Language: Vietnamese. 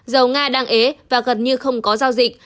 dầu nga đang ế và gần như không có giao dịch